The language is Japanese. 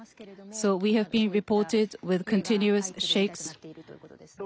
そうですね。